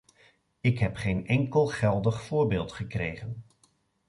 Ik heb geen enkel geldig voorbeeld gekregen.